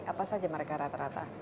apa saja mereka rata rata